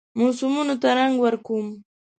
موسمونو ته رنګ ورکوم